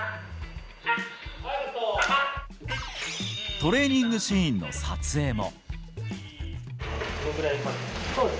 トレーニングシーンの撮影も。